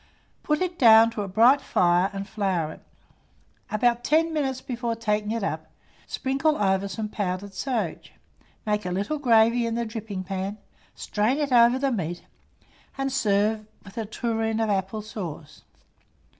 Put it down to a bright fire, and flour it. About 10 minutes before taking it up, sprinkle over some powdered sage; make a little gravy in the dripping pan, strain it over the meat, and serve with a tureen of apple sauce.